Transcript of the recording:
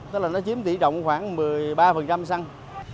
tức là nó chiếm tỷ trọng khoảng một mươi ba xăng